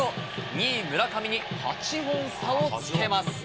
２位村上に８本差をつけます。